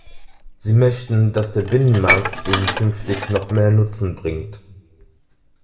Sie möchten, dass der Binnenmarkt ihnen künftig noch mehr Nutzen bringt.